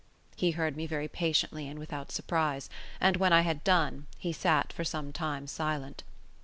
He heard me very patiently and without surprise; and when I had done, he sat for some time silent.